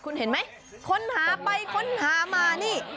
คุณเห็นไหมค้นหาไปค้นหามานี่